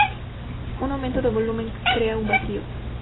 Un aumento de volumen crea un Vacío.